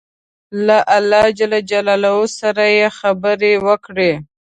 له الله جل جلاله سره یې خبرې وکړې.